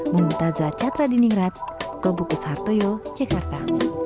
bung taza catra di ningrat globokus hartoyo jakarta